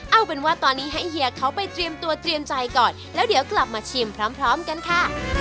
เอาเป็นว่าตอนนี้ให้เฮียเขาไปเตรียมตัวเตรียมใจก่อนแล้วเดี๋ยวกลับมาชิมพร้อมกันค่ะ